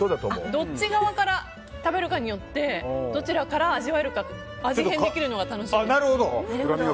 どっち側から食べるかによってどちらから味わえるか味変できるのが楽しいです。